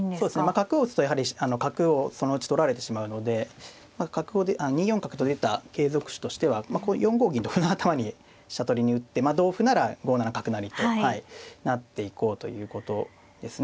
角を打つとやはり角をそのうち取られてしまうので２四角と出た継続手としてはこう４五銀と歩の頭に飛車取りに打って同歩なら５七角成と成っていこうということですね。